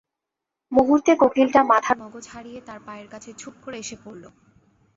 মুহূর্তে কোকিলটা মাথার মগজ হারিয়ে তার পায়ের কাছে ঝুপ করে এসে পড়ল।